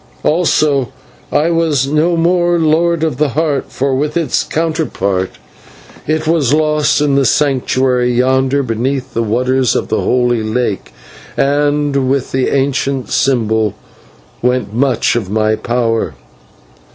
Also, I was no more Lord of the Heart, for with its counterpart it was lost in the Sanctuary yonder beneath the waters of the Holy Lake, and with the ancient symbol went much of my power.